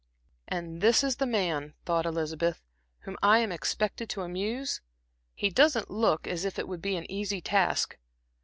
"And this is the man," thought Elizabeth, "whom I am expected to amuse. He doesn't look as if it would be an easy task.